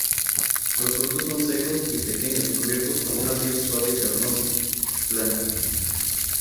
Los frutos son secos y pequeños cubiertos por una piel suave y carnosa, blanca.